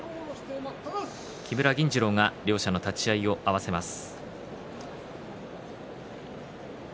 木村銀治郎が両者の立ち合いを合わせます。